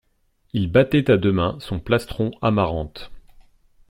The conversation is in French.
Il battait à deux mains son plastron amarante.